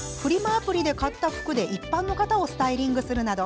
アプリで買った服で一般の方をスタイリングするなど